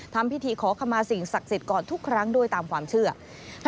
กลับไปฝันดีฝันเห็นตัวเลข